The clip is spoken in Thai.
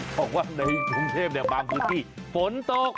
เพราะว่าในกรุงเทพฯบางปุ๊กีฟนตก